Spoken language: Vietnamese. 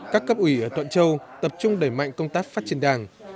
các cấp ủy ở thuận châu tập trung đẩy mạnh công tác phát triển đảng